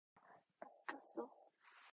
받았어?